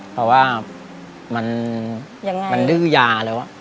เพราะว่ามันดื้อยาแล้ว